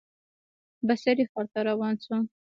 بصرې ښار ته روان شو.